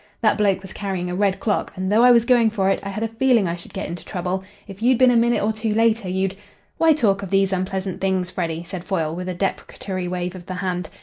"That bloke was carrying a red clock, and, though I was going for it, I had a feeling I should get into trouble. If you'd been a minute or two later, you'd " "Why talk of these unpleasant things, Freddy?" said Foyle, with a deprecatory wave of the hand.